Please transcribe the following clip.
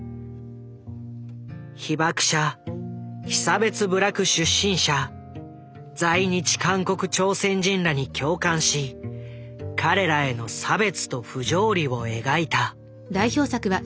被爆者被差別部落出身者在日韓国・朝鮮人らに共感し彼らへの差別と不条理を描いた。